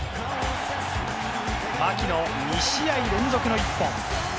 牧の２試合連続の１本。